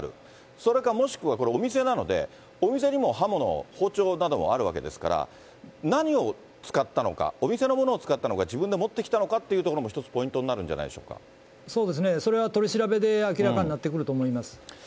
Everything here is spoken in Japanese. それかもしくは、これ、お店なので、お店にも刃物、包丁などもあるわけですから、何を使ったのか、お店のものを使ったのか、自分で持ってきたのかというところも、一つポイントになるんじゃそうですね、それは取り調べで明らかになってくると思います。